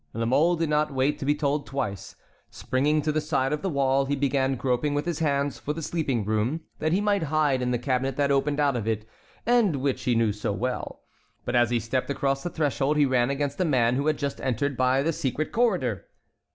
La Mole did not wait to be told twice. Springing to the side of the wall, he began groping with his hands for the sleeping room, that he might hide in the cabinet that opened out of it and which he knew so well. But as he stepped across the threshold he ran against a man who had just entered by the secret corridor.